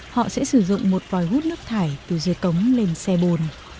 họ sẽ sử dụng một vòi hút nước thải từ dưới cống lên xe bồn